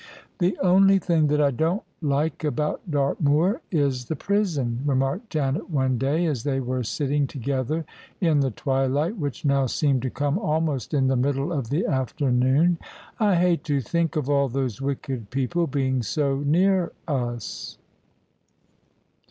" The only thing that I don't like about Dartmoor is the prison," remarked Janet, one day, as they were sitting together in the twilight, which now seemed to come almost in the middle of the afternoon. " I hate to think of all those wicked people being so near us."